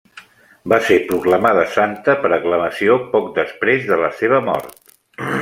Va ser proclamada santa per aclamació, poc després de la seva mort.